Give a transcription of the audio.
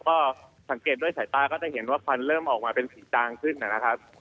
ก็สังเกตด้วยสายตาก็จะเห็นว่าควันเริ่มออกมาเป็นสีจางขึ้นนะครับ